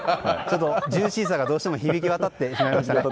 ジューシーさが、どうしても響き渡ってしまいました。